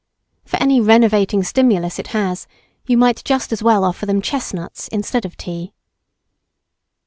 For any renovating stimulus it has, you might just as well offer them chestnuts instead of tea.